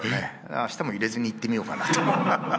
あしたも入れずに行ってみようかなと。